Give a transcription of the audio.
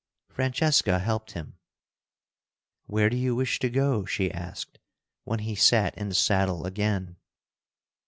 Francesca helped him. "Where do you wish to go?" she asked when he sat in the saddle again.